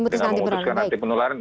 dengan memutuskan nanti penularan